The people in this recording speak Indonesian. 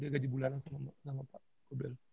gaji bulanan sama pak kobel